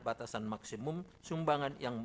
batasan maksimum sumbangan yang